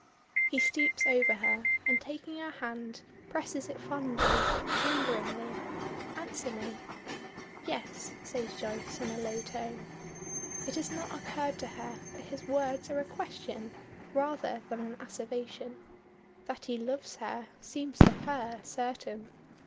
He stoops over her, and taking her hand presses it fondly, lingeringly. "Answer me." "Yes," says Joyce in a low tone. It has not occurred to her that his words are a question rather than an asseveration. That he loves her, seems to her certain.